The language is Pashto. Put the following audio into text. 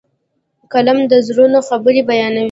قلم د زړونو خبرې بیانوي.